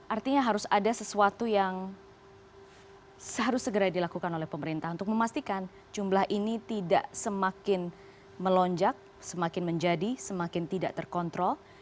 artinya harus ada sesuatu yang harus segera dilakukan oleh pemerintah untuk memastikan jumlah ini tidak semakin melonjak semakin menjadi semakin tidak terkontrol